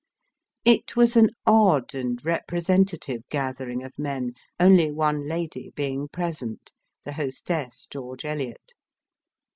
It was an odd and repre sentative gathering of men, only one lady being present, the hostess, George Eliot.